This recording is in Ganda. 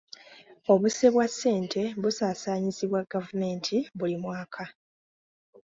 Obuse bwa ssente busaasaanyizibwa gavumenti buli mwaka.